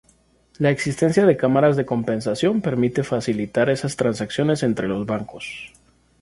La existencia de cámaras de compensación permite facilitar esas transacciones entre los bancos.